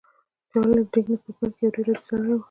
چارلیس ډیکنز په پیل کې یو ډېر عادي سړی و